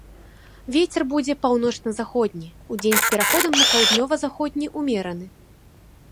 Вецер будзе паўночна-заходні, удзень з пераходам на паўднёва-заходні ўмераны.